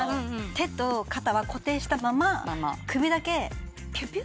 手と肩は固定したまま首だけピュピュ。